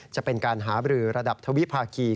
จะเป็นการหาบรือระดับทวิภาคี